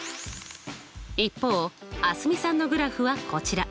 一方蒼澄さんのグラフはこちら。